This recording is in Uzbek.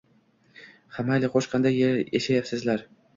Ha, mayli, xo`sh, qanday yashayapsizlar